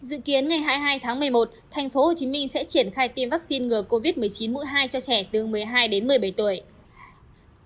dự kiến ngày hai mươi hai tháng một mươi một tp hcm sẽ triển khai tiêm vaccine ngừa covid một mươi chín mũi hai cho trẻ từ một mươi hai đến một mươi bảy tuổi